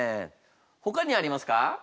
ほかにありますか？